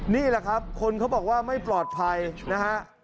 นี่แหละครับคนเขาบอกว่าไม่ปลอดภัยนะฮะ